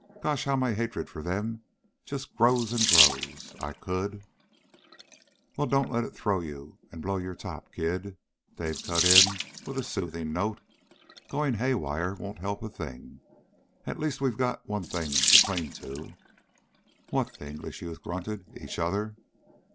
Gosh! How my hatred for them just grows and grows! I could " "Well, don't let it throw you, and blow your top, kid!" Dave cut in with a soothing note. "Going haywire won't help a thing. And at least we've got one thing to cling to." "What?" the English youth grunted. "Each other?"